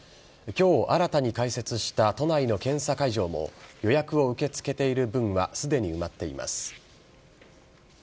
今日、新たに開設した都内の検査会場も予約を受け付けている分はすでに埋まっています。